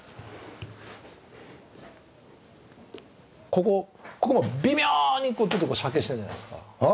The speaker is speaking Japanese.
ここここも微妙にちょっと斜傾してるじゃないですか？